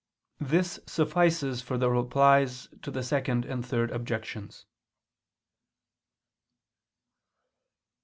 This suffices for the Replies to the Second and Third Objections.